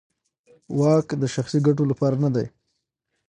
واک د شخصي ګټو لپاره نه دی.